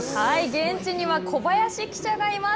現地には、小林記者がいます。